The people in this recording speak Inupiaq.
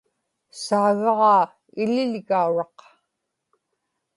saagaġaa iḷiḷgauraq